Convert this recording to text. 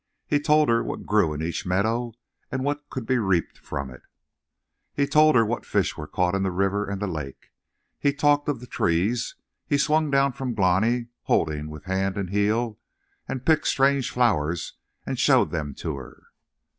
He told her what grew in each meadow and what could be reaped from it. He told her what fish were caught in the river and the lake. He talked of the trees. He swung down from Glani, holding with hand and heel, and picked strange flowers and showed them to her.